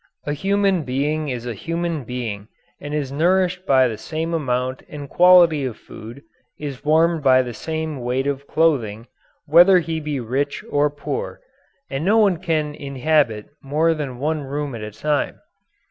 A human being is a human being and is nourished by the same amount and quality of food, is warmed by the same weight of clothing, whether he be rich or poor. And no one can inhabit more than one room at a time.